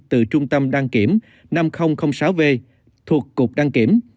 từ trung tâm đăng kiểm năm nghìn sáu v thuộc cục đăng kiểm